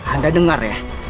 anda dengar ya